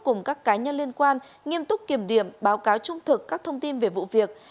cùng các cá nhân liên quan nghiêm túc kiểm điểm báo cáo trung thực các thông tin về vụ việc